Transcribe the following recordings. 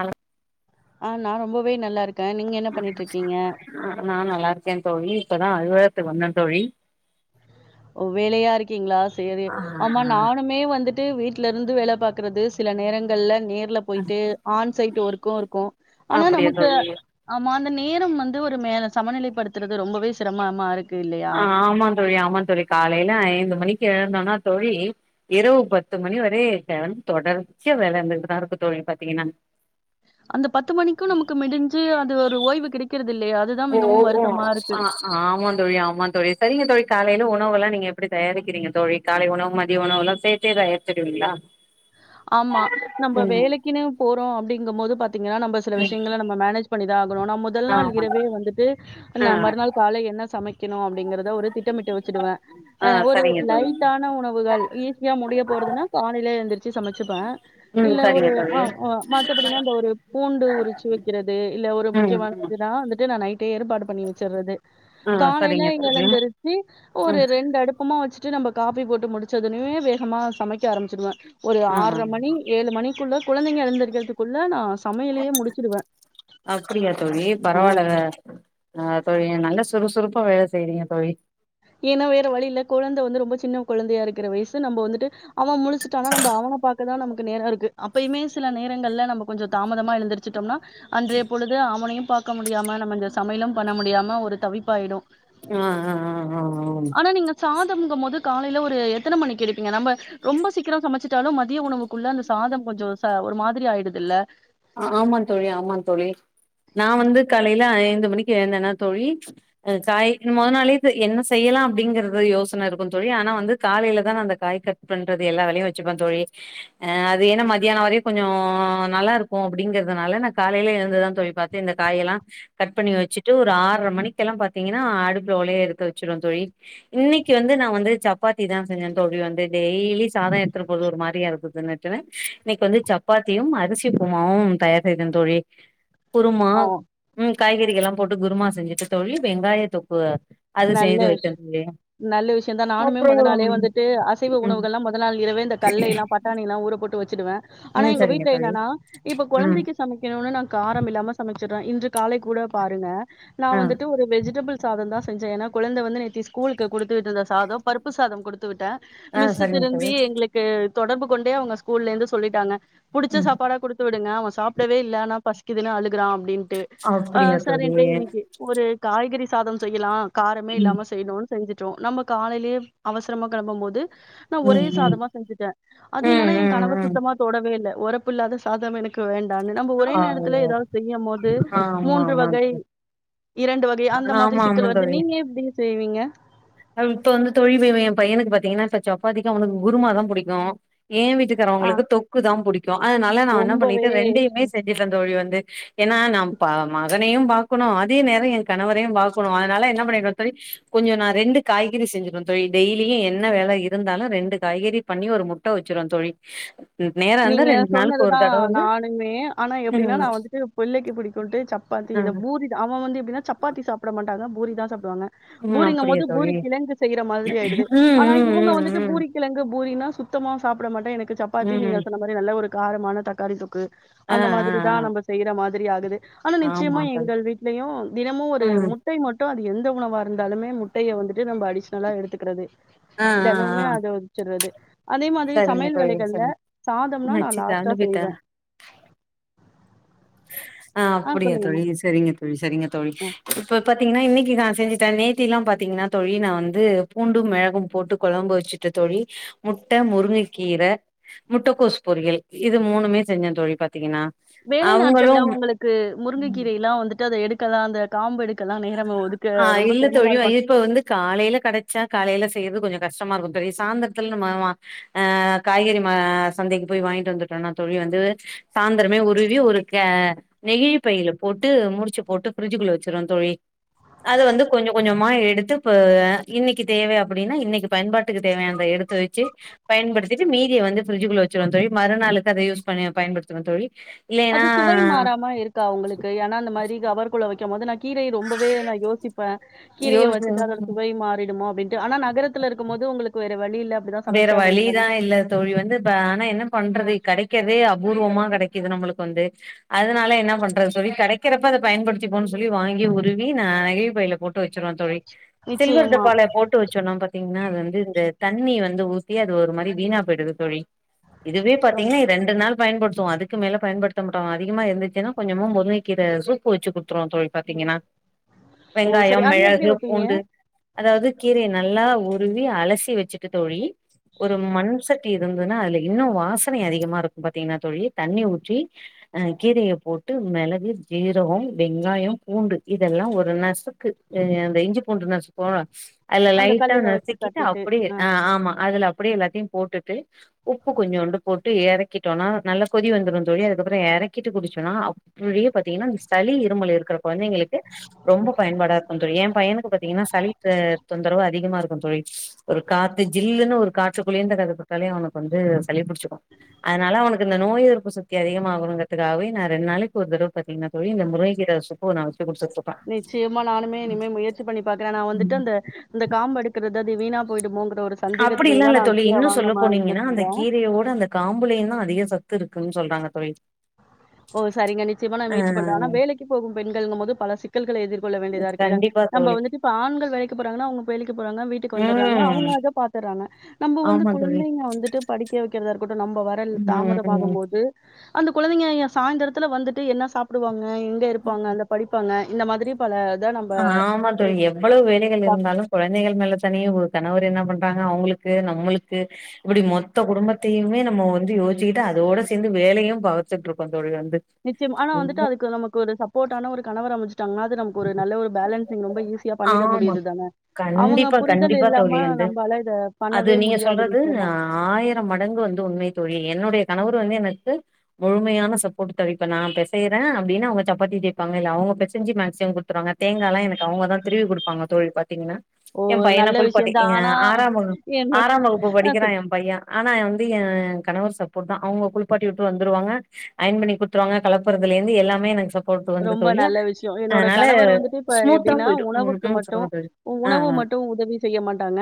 அல ஆ நா ரொம்பவே நல்லா இருக்கே நீங்க என்ன பண்ணிட்டு இருக்கீங்க ஆ நா நல்லாருக்கே தோழி இப்பதா அறுவாயத்துக்கு வந்தே தோழி ஓ வேலையா இருக்கீங்களா சரி ஆமா நானுமே வந்துட்டு வீட்டில இருந்து வேல பார்க்கறது சில நேரங்கள்ல நேர்ல போயிட்டு ஆன் சைட் ஒர்க இருக்கும் ஆனா அப்டியா நமக்கு தோழி ஆமா அந்த நேரம் வந்து ஒரு மே சமநிலைப்படுத்துறது ரொம்பவே சிரமமா இருக் ஆமா தோழி ஆமா தோழி காலையில ஐந்து மணிக்கு இழந்தோனா தோழி இரவு பத்து மணி வர க தொடர்ச்சு வேல இருந்துட்டுதா இருக்கு தோழி பாத்தீங்கன்னா அந்த பத்து மணிக்கும் நமக்கு முிடிஞ்சு அது ஒரு ஓய்வு கிடைக்கிறது இல்லையா அதுதா ஓ மிகவும் ஓ வருத்தமா இருக்கு ஆ ஆமாந் தோழி ஆமா தோழி சரிங்க தோழி காலையில உணவுெல்லா நீங்க எப்படி தயாரிக்கிறீங்க தோழி காலை உணவு மதிய உணவுெல்லாம் சேர்த்தே தயாரிச்சுடுவீங்களா ஆமா நம்ம வேலைக்குன்னு போறோம் அப்படிங்கும் போது பாத் தீங்கன நம்ம சில ம் விஷயங்கல நம்ம மேனேஜ் பண்ணித ஆகணும் முதல் நாள் ஆமா இரவே வந்துட்டு ஆ மறுநாள் கால என்ன சமைக் க்கணு அப்படிங்கறத ஒரு திட்டமிட்டு வெச்சுடுவே ஆ அ ஒரு சரிங்க தோழி லைட்டான உணவுகள் ஈஸியா முடிய போறதுன்னா காலையிலே எந்திரிச்சு சமைச்சுப்பே ம் இல்ல ஒரு சரிங்க ஆ தோழி ஆ மத்தபடின்னா அந்த ஒரு பூண்டு உரிச்சு வெக்கிற து இல்ல ஒரு ம் ம் முக்கியமானதுனா வந்துட்டு நா நைட்டே ஏற்பாடு பண்ணி வெச்சர்றது ஆ காலையில சரிங்க தோழி எழுந்திருச்சு ஒரு ம் ரெண்டு அடுப்பமா வச்சு ட்டு நம்ம காஃபி போட்டு முடிச்சதொனிமே வேகமா சமைக்க ஆரம்பிச்சிடுவ ஒரு ஆ ஆறரை மணி ஏழு மணிக்குள்ள குழந்தைங்க எழுந்திரிக்கிறதுக்குள்ள நா சமையலையே முடிச்சிடுவே அப்பிடியா தோழி பரவால்ல அ தோழி நல்ல சுறுசுறுப்பா வேல செய்றிங்க தோழி ஏன்னா வேற வழி இல்ல கொழந்தை வந்து ரொம்ப சின்ன கொழந்தையா இருக்கிற வயசு நம்ம வந்துட்டு அவ முழச்சுட்டானா நம்ப அவ ன பாக்கதா நமக்கு நேர இருக்கு அப்பயுமே சில நேரங்கள்ல நம்ம கொஞ்சோ தாமதமா எழுந்திரிச்சிட்டோம்னா அன்றைய பொழுது அவனையும் பாக்க முடியாம நம்ம இந்த சமையலும் பண்ண முடியாம ஒரு தவிப்பாயிடு ஆ ஆ ஆ ஆ ஆனா நீங்க சாதம்ங்கும் போது காலையில ஒரு எத்தன மணிக்கு எடுப்பிங்க நம்ப ரொம்ப சீக்கிரோ சமச்சு ட்டாலு மதிய உணவுக்குள்ள அந்த சாதம் கொஞ்சோ ச ஒரு மாதிரி ஆயிடுது இல்ல ஆமா தோழி ஆமா தோழி நா வந்து காலையில ஐந்து மணிக்கு எழுந்தேனா தோழி காய் மொத நாளே என்ன செய்ய லா அப்படிங்கிறது யோசனை இருக்கு தோழி ஆனா வந்து காலையிலதா நா அந்த காய கட் பண்றது எல்லா வேலையு வெச்சுப்ப தோழி அ அது ஏனா மத்யானோ வரையு கொஞ்சோ நல்லாருக் கு அப்படிங்கிறதுனால நா காலையில எழுந்துதா தோழி பாத்து இந்த காயெல்லா கட் பண்ணி வெச்சுட்டு ஒரு ஆறர மணிக்கெலா பாத்திங்கனா அடுப்புல ஒலைய எடுத்து வெச்சுருவே தோழி இன்னைக்கு வந்து நா வந்து சப்பாத்திதா செஞ்ச தோழி வந் து டெய்லி சாத எடுத்துட் போறது ஒரு மாரியா இருக்குதுனுட்டுனு இன்னைக்கு வந்து சப்பாத்தியும் அரிசி குமாவு தயார் செய்த தோழி குருமா ஆ ம் காய்கறிகள்லா போட்டு குருமா செஞ்சுட்டு தோழி வெங்காய தொக்கு அது நல்ல செய்து வெச்ச தோழி நல்ல விஷய தா நானுமே அப்புறம் மொதநாளே வந்துட்டு அசைவ ம் உணவுகள்லா மொத நாள் இரவே இந்த கல்லைலா பட்டாணிலா ஊரப்போட் டு வெச்சிடுவ ஆனா ம் எங்க சரிங்க வீட்ல தோழி என்னனா இப்ப ம் கொழந்தைக்கு சமைக்கணுனு நா காரமில்லாம சமைச்சுறே இன்று காலை கூட பாருங்க நா ஆ வந்துட்டு ஒரு வெஜிடபிள் சாதந்தா செஞ்ச ஏனா கொழந்த வந்து நேத்து ஸ்கூலுக்கு குடுத்து விட்டத சா சாதோ பருப்பு சாதம் குடுத்து விட்டே ஆ மிஸ் சரிங்க தோழி திரும்பி எங்களுக்கு தொடர்பு கொண்டே அவங்க ஸ்கூல்ல இருந்து சொல்லிட்டாங்க புடிச்ச ம் சாப்பாடா குடுத்து விடு ங்க அவ சாப்டவே இல்ல ஆனா பசிக்குதுன்னு அழு க்குறா அப்டின்ட்டு அ அப்படியா தோழி செரின்ட்டு இன்னைக்கு ஒரு காய்கறி சாதம் செய்யலா காரமே ம் இல்லாம செய்யுணுன்னு செஞ்சுடோ நம்ம காலையிலயே அவசரமா கிளம்பம் போது நா ஒரே ம் சாதமா செஞ்சுட்ட அது ம் என்னன்னா ம் என் ம் கணவர் ம் சுத்தமா தொடவே இல்ல ஒறப்புல்லாத சாதம் எனக்கு வேண் தானு நம்ப ஒரே நேரத்துல ஐயோ ஏதாவது செய்யம் போது ஆமா மூன்று ஆமா வகை தோழி இரண்டு வகை அந்த மாதிரி ஆமா சிக் ஆமா தோழி இப்ப வந்து தோழி இவ என் பையனுக்கு பாத்தீங்கன்னா இப்ப சப்பாதிக்கு அவனுக்கு குருமா தான் புடிக்கும் ஏன் ஆ வீட்டுக்கறவங்களுக்கு தொக்கு தான் புடிக்கும் அதனால நா என்ன ரொம்பவே பண்ணிட்டு ரெண்டயுமே செஞ்சுட்டேன் தோழி வந்து ஏன்னா நா பா மகனையும் பாக்கணும் அதே நேரோ கணவரையும் பாக்கணும் அதனால என்ன பண்ணிருவேன் தோழி கொஞ்சோ நான் ரெண்டு காய்கறி செஞ்ச்சுருவேன் தோழி டெய்லியும் என்ன வேலை இருந்தாலும் ரெண்டு காய்கறி பண்ணி ஒரு முட்டை வெச்சுருவே தோழி நேரோ இருந்தா நீங்க ரெண்டு நாளுக்கு ஒரு சொன்னதுதான் தடவ வந்து நானுமே ஆனா எப்படின்னா ம் நான் வந்துட்டு புள்ளைக்கு புடிக்கும்ட்டு சப்பாத்தி இந்த ம் பூரி தா அவன் வந்து எப்டினா சப்பாத்தி சாப்ட மாட்டான் பூரி தான் சாப்டுவாங்க ம் பூரிங்க அப்டியா போது தோழி பூரி கிழங்கு செய்யற மாதிரி ஆயிடுது ம் ஆன ம் இவங்க வந்துட்டு ம் ம் பூரி கிழங்கு பூரினா சுத்தமா சாப்ட மாட்டேன் எனக்கு சப்பாத்தி நீங்க ம் சொன்ன மாரி ஒரு காரமான தக்காளி தொக்கு ஆ அந்த ஆ மாதிரி தான் நம்ம செய்யற மாதிரி ஆகுது ஆனா ஆ ஆமா நிச்சயமா தோழி எங்கள் வீட்லயும் தினமும் ஒரு ம் முட்டை மட்டும் அது எந்த எந்த உணவா இருந்தாலுமே முட்டைய வந்துட்டு நம்ம அடிஷ்னலா எடுத்துக்கிறது ஆ ஆ ஆ தினமுமே அதை அவிச்சறது அதே மாதிரி சரிங்க சமையல் தோழி வேலைகள்ல சரிங்க சாதம்னா நான் அச்சி லாஸ்ட்டா கரண்டு போயிட்டா செய்வேன் ஆ அப்படியா சொல்லுங்கம்மா தோழி செரிங்க தோழி செரிங்க தோழி ஆ இப்ப பாத்தீங்கன்னா இன்னைக்கு தா செஞ்சுடேன் நேத்தி எல்லாம் பாத்தீங்கன்னா தோழி நான் வந்து பூண்டும் மிளகும் போட்டு கொழம்பு வச்சுட்டு தோழி முட்ட முருங்கைக்கீர முட்டக்கோசு பொரியல் இது மூணுமே செஞ்ச தோழி பாத்தீங்கன்னா வேலை அவங்களு நாட்கள்ல ஒங்களுக்கு முருங்கைக்கீரை எல்லாம் வந்துட்டு அதை எடுக்கதா அந்த காம்பு எடுக்கலா நேரம் ஒதுக்க ஆ ரொம்ப இல்ல சிரமமா தோழி இருக்கு இப்ப வந்து காலையில கெடைச்சா காலையில செஞ் து கொஞ்சோ கஷ்டமா இருக்கும் தோழி சாயந்தரத்துல நம்ம அ ஆ காய்கறி அஹ் சந்தைக்கு போய் வாங்கிட்டு வந்துட்டோம் வேனா தோழி வந்து சாயந்தரமே உருவி ஆ ஒரு நெகிழி பைல போட்டு முடிச்சு போட்டு ஃப்ரிட்ஜுக்குள்ள வெச்சிருவ தோழி அத வந்து கொஞ்ச கொஞ்சமா எடுத்து போ வே இன்னைக்கி தேவை அப்டின்னா இன்னைக்கி பயன்பாட்டுக்கு தேவையானத எடு எடுத்து வச்சு பயன்டுத்திட்டு மீதிய வந்து ஃப்ரிட்ஜுக்குள்ள வெச்சிருவ தோழி மறுநாளுக்கு அதை யூஸ் பண்ணி பயன்படுத்துவ தோழி இல்லைன்னா அது சுவை மாறாம இருக்கா உங்களுக்கு ஏன்னா அந்த மாரி கவர் குள்ள வைக்கும் போது நா கீரை ரொம்பவே நா யோசிப்பே கீரையை யோசிச்சு வச்சுட்டு அதோட சுவை மாறிடுமோ டின்ட்டு ஆனா நகரத்தில இருக்கும் போது உங்களுக்கு வேற வழியில் வேற வழிதா இல்ல தோழி வந்து ஆனா என்ன பண்றது கெடைக்கறதே அபூர்வமா கெடைக்குது நம்மளுக்கு வந்து அதனால என்ன பண்றது தோழி கெடைக்கிறப்ப அத பயன்படுத்தி போன்னு சொல்லி வாங்கி உருவி நா நெகிழிப் பையில போட் டு வெச்சிருவ தோழி சில்வர் நிச்சயமா டப்பல போட்டு வச்சோன்னா பாத்தீங்கன்னா அது வந்து இந்த தண்ணி வந்து ஊத்தி அது ஒரு மாதிரி வீணா போயிடுது தோழி இதுவே ஓ பாத்தீங்கன்னா ரெண்டு நாள் பயன்படுத்த த்துவோ அதுக்கு மேல பயன்படுத்த மாட்டோ அதிகமா இருந்துச்சுன்னா கொஞ்சமோ முருங்கக்கீரை சூப்பு வச்சு குடுத்துருவோ தோழி பாத்தீங்கன்னா ஓ, சரி வெங்காயம் அது எப்டி மிளகு வைப்பீங்க பூண்டு அதாவது கீர நல்லா உருவி அலசி வெச்சுட்டு தோழி ஒரு மண்செ சட்டி இருந்ததுன்னா அதுல இன்னு வாசனை அதிகமா இருக்கு பாத்தீங்கன்னா தோழி தண்ணி ஊற்றி் அ கீரையை போட்டு மிளகு ஜீரகம் வெங்காயம் பூண்டு இதெல்லா ஒரு நசுக்கு அந்த இஞ்சி பூண்டு நசுகோவோல்ல அதுல அந்த லைட்டா கல்லுல வச்சு நசிக்கிட்டு தட்டிட்டு அப்படியே ஆ ஆமா அதுல அப்டியே எல்லாத்தையு போட்டுட்டு உப்பு கொஞ்சோண்டு போட்டு எறக்கிட்டோனா நல்ல கொதி வந்துரு தோழி அதுக்கபறோ ஏ எறக்கிட்டு குடிச்சுன்னா அப் [unintelligible] பாத்தீங்கன்னா இந்த சளி இருமல் இருக்கிற கொழந்தைங்களுக்கு ரொம்ப பயன்பாட இருக்கு தோழி எ பையனுக்கு பாத்தீங்கன்னா சளித்த தொந்தரவு அதிகமா இருக்கு தோழி ஒரு காத்து ஜில்ன்னு ஒரு காற்றுக்குழிந்த [unintelligible] அவனுக்கு வந்து சளிபுடிச்சுக்கு அதனால அவனுக்கு இந்த நோய் எதிர்ப்பு சக்தி அதிகமாகானுகறதுக்காகவே நா ரெண்டு நாளைக்கு ஒரு தடவ பாத்தீங்கன்னா தோழி இந்த முருங்கக்கீர சூப்பு நா வெ நிச்சயமா நானுமே இனிமே முயற்சி பண்ணி பாக்குறே நா வந்துட்டு அந்த அந்த காம்பு எடுக்கறது த அது வீணா போயிடுமோ ங்கறது அப்டியெல்லா இல்ல தோழி இன்னு சொல்ல போனீங்கன்னா இருந்துட்டு அந்த இருந்தேன். கீரையோட அந்த காம்புளையு தான் அதிக ச சத்து இருக்குன்னு சொல்றாங்க தோழி ஓ சரிங்க நிச்சயமா நா ஆ முயற்சி பண்ற ஆனா வேலைக்கு போகும் பெண்கள்ங்கும் போது பல சிக்கல்க எதிர் கொள்ள வேண்டியதா இருக்கில்ல கண்டிப்பா நம்ம தோழி வந்துட்டு இப்ப ஆண்கள் வேலைக்கு போறாங்கனா அவங்க வேலைக்கு போறங்க வீட்டுக்கு வந்தறாங்க அவங்க ம் அத பாத்தறாங்க நம்ப வந்து ஆமா தோழி குழந்தைங்க வந்துட்டு படிக்க வைக்கிறதா இருக் கூட நம்ம வரல் ம் தாமதமாகு ம் போது அந்த குழந்தைங்க சாய்ந்திரத்தில வந்துட்டு என்ன சாப்பிடுவாங்க ஆ எங்க இருப்பாங்க அங்க படிப்பாங்க இந்த மாதிரி பல இத நம்ம ஆமா தோழி எவ்வளவு வேலைகள் இருந்தாலு குழந்தைகள் மேல தனியே கணவர் என்ன பண்ற ரங்க அவங்களுக்கு நம்மளுக்கு இப்டி மொத்த குடும்பத்தையுமே நம்ம வந்து யோசிக்கிட்டு அதோட சேந்து வேலையு பாவிச்சிட்டு இருக்கோ தோழி வந்து நிச்சயம் ஆனா வந்துட்டு உண்ம. அதுக்கு நமக்கு ஒரு சப்போர்டான ஒரு கணவர் அமைஞ்சுட் டங்னா அது நமக்கு ஒரு நல்ல ஒரு பேலன்சிங் ரொம்ப ஈஸியா பண்ணிட ஆமா முடியுது தான அவங்க புரிதல் இல்லாம து நம்பால இத அது பண்ணவே நீங்க முடியாது சொல்றது நிச்சயமா. ஆ ஆயிரம் மடங்கு வந்து உண்மை தோழி என்னுடைய கணவர் வந்து எனக்கு முழுமையான சப்போர்ட்தவிப்ப நா பெசயுறே அப்டின்னு அவங்க சப்பாத்தி தேய்பாங்க இல்ல அவுங்க பெசஞ்சி மேக்சிமம் குடுத்துருவாங்க தேங்காய எல்லா எனக்கு அவங்க தா திருவி குடுப்பாங்க தோழி பாத்தீங்கன்னா ஓ! எ பையன நல்ல குளிப்பாட்டி விஷயம் தான். இங்க ஆனா ஆறாம் வகு என்னோட ஆறாம் வகுப்பு ஆ சொல்லுங்க. படிக்கிறா எ பைய ஆனா எ ந்து எ கணவர் சப்போர்ட் தா அவங்க குளிப்பாட்டி விட்டு வந்துருவாங்க அயன் பண்ணி குடுத்துருவாங்க கெளப்புறதுல இருந்து எல்லாமே எனக் சப் ரொம்ப நல்ல விஷ்யோ என்னோட கணவர் வந்துட்டு இப்ப ஸ்மூத்தா எப்டின்னா போயிடு ம் உணவுக்கு ம் மட்டு சொல்லுங்க தோழி ஆ உணவு ஆ மட்டு உதவி செய்ய மாட்டாங்க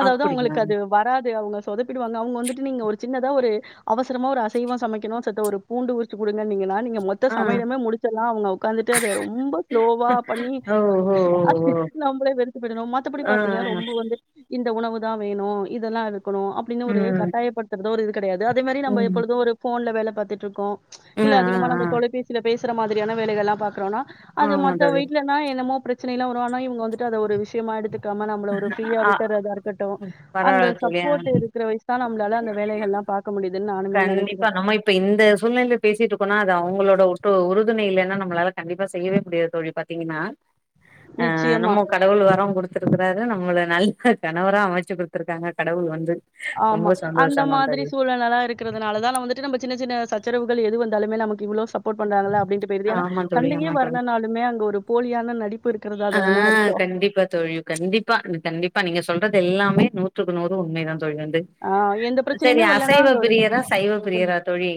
அதாவது அப்டிங்களா அவங்களுக்கு அது வராது அவுங்க சொதப்பிடுவாங்க அவுங்க வந்துட்டு நீங்க ஒரு சின்னதா ஒரு அவசரமா ஒரு அசைவோ சமைக்கணு சத்த ஒரு பூண்டு உரிச்சு குடுங்கனீங்கன்னா நீங்க மொத்த ஆ சமயலுமே முடு ல்லாம் அவங்க உக்காந்துட்டு அத ரொம்ப ஸ்லோவா பண்ணி ஓ ஓ ஓ அது ஓ நம்மளே வெறுத்து போயிடணு மத் தபடி ஆ பாத்தீங்கன்னா ஆ ரொம்ப வந்து இந்த உணவு தா வேணு இதெல்லா இருக்கணு அப்டின்னு ஒரு ம் கட்டாயப்படுத்துறதோ ஒரு இது கிடையது அதே மாரி நம்ம ம் எப்பொழுது ஒரு ஃபோன்ல வேல பாத்துட்டு இருக்கோ ஆ ஆ இல்ல அதிகமா நம்ம தொலைபேசியில பேச சர மாதிரியான வேலைகள்லாம் பாக்றோனா ஆ அது ஆமா மத்த தோழி வீட்லனா என்னமோ பிரச்ச சனைெல்ல வரு ஆனா இவங்க வந்துட்டு அத ஒரு விஷயமா எடுத்து காம நம்பல ஒரு ஃப்ரீயா ஆ விட்டுறாதா இருக்கட்டு அந்த பரவால்ல தோழி ஆ சப்போட் இருக்கிற வயசு தா நம்மளால அந்த வேலைகல்லா பாக்க முடிது கண்டிப்பா நம்ம இப்ப இந்த சூழ்நிலையில பேசிட்டுருக்கோனா அது அவங்களோட ஒட்டு உரு புதுணையிலனா நம்மளால கண்டிப்பா செய்யவே முடியாது தோழி பார்த்தீங்கன்னா ஆ நிச்சயமா நம்ம கடவுள் வரோ கொடுத் துருக்குறாரு நம்மள நல்ல கணவரா அமைச்சு கொடுத்துருக்காங்க கடவுள் வந்து ஆமா ரொம்ப அந்த சந்தோஷமா மாதிரி தோழி சூழலலா இருக் குரதுனால த நா வந்துட்டு நமப சின்ன சின்ன சச்சரவுகள் எது வந்தாலுமே நமக்கு இவ்வளவு சப் போட் பண்றாங்கள அப்படின்ட்டு போயிருது ஏனா ஆமா தோழி சண்டையே ஆமா தோழி வராலானாலுமே அங்க ஒரு போலியான நடிப் ஆ கண்டிப்பா தோழி கண்டிப்பா கண்டிப்பா நீங்க சோ சொல்றது எல்லாமே நூத்துக்கு நூறு உண்மை தான் தொழி வந்து ஆ எந்த பிரச்சனையுமே செரி வரலன்னா அசைவ அங்க ஒரு பிரியரா சைவ கொஞ்சம் பிரியரா தோழி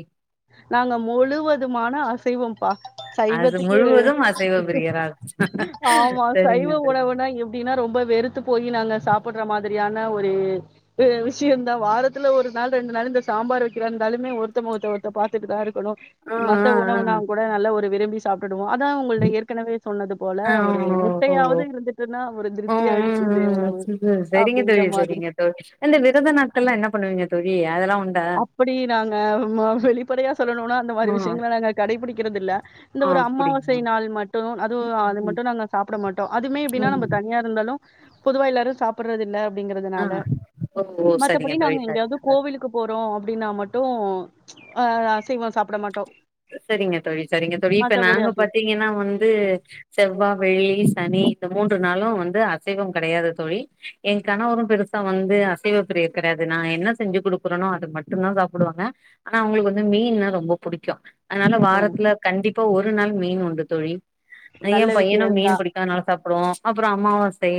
நாங்க முழுவதுமான அசைவம்ப்பா அது சைவத்துக்கு முழுவதும் அசைவ பிரியரா ஆமா சைவ சரிங்க தோழி உணவுனா எப்படின்னா ரொம்ப வெறுத்து போய் நாங்க சாப்புடுற மாதிரியான னா ஒரு து விஸ் விஷயந்தான் வாரத்துல ஒரு நாள் ரெண்டு நாள் இந்த சாம்பார் வைக்கிறந்தாலுமே ஒருத்த முகத்த ஒருத்த பார்த்துட்டு தா இருக்கணு ஆ மத்த ஆ உணவுனா கூட நல்ல ஒரு விரும்பி சாப்ட்டு ருவோ அதா உங்கல்ட ஏற்கனவே சொன்னது போல ஆ ஆ ஒரு ஓ ஓ முட்டையாவது இருந்துட்டுன்னா ஒரு திருப்தியா ஆயிடுச்சுலியா ஆ செ செ செரிங்க தோழி செரிங்க தோழி இந்த விரத நாட்க ல்லாம் என்ன பண்ணுவீங்க தோழி அதெல்லாம் அப்படி நாங்க மா வெளிப்படையா சொல்லணுனா அந்த மாரி ஆ விஷயங்கள நாங்க கடைபுடிக்கிறது இல்ல இந்த ஒரு அமாவசை அப்டிங்களா நாள் மட்டும் ம் அதுவும் அது ம் மட்டும் நாங்க சாப்பிட மாட்டோம் அதுமே எப்படின்னா நம்ம ம் தனியா இருந்தாலு பொதுவா எல்லாரு சாப்புடுறது இல்ல ஆ அப்படிங்கறதுனால ஓ ஓ சரிங்க மத்தபடி தோழி நாங்க எங்கயாவது சரிங்க தோழி கோவிலுக் நோ அப்படின்னா மட்டு ஆ அசைவோ சாப்பிட மாட்டோ சரிங்க தோழி சரிங்க தோழி இப்ப மத்தபடி நாங்க அசைவோ பாத்தீங்கன்னா வந்து செவ்வா வெள்ளி சனி இந்த மூன்று நாளு வந்து அசைவம் கிடையாது தோழி என் கணவரும் பெருசா வந்து அசைவ பிரியர் கிடையாது நா என்ன செஞ்சு கொடுக்குறனோ அது மட்டுதா சாப்புடுவாங்க ஆனா அவங்களுக்கு வந்து மீன்னா ரொம்ப புடிக்கு அதனால போனு வாரத்துல கண்டிப்பா ஒரு நாள் மீன் உண்டு தோழி நல்ல ஏன் பையனு விஷயந்தா மீன் பிடிக்கு அதநால சாப்டுவா அப்புறம் அமாவாசை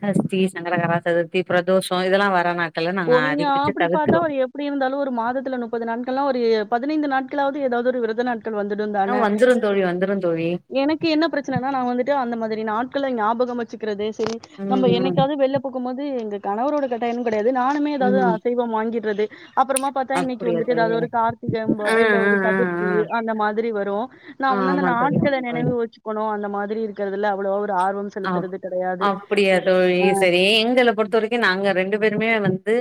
சஷ்டி சங்கரகரா சதுர்த்தி ப்ரதோஷோ இதெல்லா வரான ஓ நீங்க ஆப்டி பாத்தா ஒரு எப்டி இருந்தாலு ஒரு மாதத்துல நுப்பது நாட்கள்ளா ஒரு பதினைந்து நாட்களாவது ஏதாவது ஒரு விரதநாட் கள் ஆ வந்துட்டுந்தான வந்துரு தோழி வந்துரு தோழி எனக்கு என்ன பிரச்சனனா நான் வந்துட்டு அந்த மா திரி நாட்கள ஞாபகம் வச்சுக்கிறது செரி ம் நம்ப ம் என்னைக்காது வெள்ள போகும் போது எங்க கணவரோட கட்டாயனு கெடையாது நானுமே ஏதாவுது ம் அசைவம் வாங்கிட்றது அப்புறமா பாத்தா இன்னைக்கு அப்டியா வந்துட்டு தோழி ஏதாவது ஒரு கார்த்திகம்ப ஆ இல்ல ஆ ஒரு ஆ சதுர்த்தி அந்த மாதிரி வரு ந ம்ம ஆ வந்து அந்த ஆமா தோழி நாட்கள ஆமா தோழி நெனைவு வச்சுக்கணு அந்த மாதிரி இருக்றதுல அவ்வளவா ஒரு ஆர்வம் அ செலுத்துறது கெடையாது. அப்படியா தோழி சரி எங்கள பொறுத்த வரைக்கும் நாங்க ரெண்டு பேருமே வந் ந்து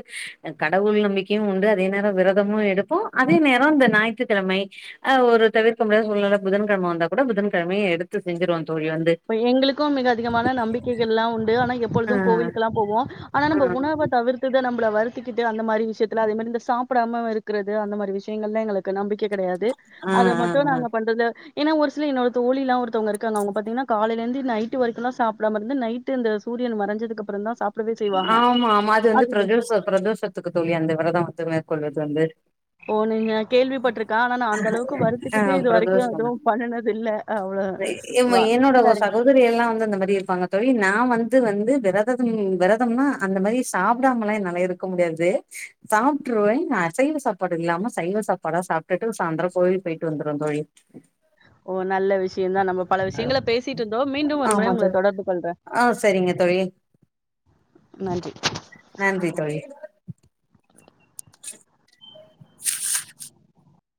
கடவுள் நம்பிக்கையும் உண்டு அதே நேரோ விரதமு எடுப்போ அதே நேரோ இந்த ஞாயிற்றுக்கிழமை அ ஒரு தவிர்க்க முடியாத சூழ்நில புதன்கெழம வந்தா கூட புதன்கெழமயும் எடுத்து செஞ்சிருவோ தோழி வந்து எங்களுக்கும் மிக அதிகமான நம்பிக்கைகள்ல்லாம் உண் டு ஆனா ஆ எப்பொழுது கோவிலுக்கு எல்லா போவோம் ஆனா ஆ நம்ப உணவ தவிர்த்தத நம் ம்பள வருத்திக்கிட்டு அந்த மாரி விஷயத்துல அதே மாரி இந்த சாப்டாம இருக்கிறது அந்த மாரி விஷயங்கள்லா எங்களுக்கு நம்பிக் க கெடையாது ஆ அத ஆ மட்டு நாங்க பண்றது ஏன்னா ஒரு சில என்னோட தோழில்லா ஒருத்தவுங்க இருக்காங்க அவுங்க பாத்தீங்ன்னா காலைல இருந்து நைட் வரைக்குல்லா சாப்டாம இருந்து நைட்டு இந்த சூரியன் மறஞ்சதுக்கு அப்புறம் தான் சாப் ஆமா ஆமா அது வந்து பிரதோஷ பிரதோஷத்துக்கு தோழி அந்த விரத வந்து மேற்கொள்வது வந்து ஓ நீங்க கேள்விப்பட்டிருக்கா ஆனா நான் அந்தளவுக்கு ஆ வருத்திக்கிட்டு இது வரைக்கு பிரதோஷம் எதுவும் பண்ணுனது இல்ல அவ்ள [unintelligible] என்னோட சகோதரி எல்லாம் வந்து அந்த மாரி இருப்பாங்க தோழி நா வந்து வந்து விரததம் விர தம்னா அந்த மாரி சாப்பிடாமலா என்னால இருக்க முடியாது சாப்ட்றுவேன் அசைவ சாப்பாடு இல்லாம ம்ம சைவ சாப்பாடா சாப்டுட்டு சாந்தரம் கோயிலுக்கு போய்ட்டு வந்துருவ தோழி ஓ நல்ல விஷ ஷியம் தான் நம்ப பல விஷயங்கள பேசிட்டு இருந்தோம் மீண்டும் ஒரு முறை ஆமா உங்கள தோழி தொடர்பு கொள்ற ஆ சரிங்க தோழி [inaudible] நன்றி தோழி [inaudible]